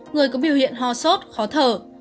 người có biểu hiện ho sốt khó thở